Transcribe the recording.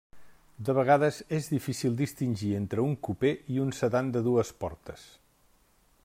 De vegades és difícil distingir entre un cupè i un sedan de dues portes.